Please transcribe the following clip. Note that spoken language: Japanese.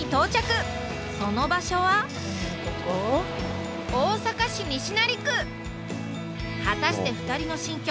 その場所は果たして２人の新居